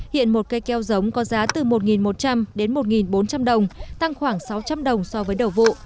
hiện một cây keo giống có giá từ một một trăm linh đến một bốn trăm linh đồng tăng khoảng sáu trăm linh đồng so với đầu vụ